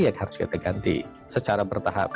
yang harus kita ganti secara bertahap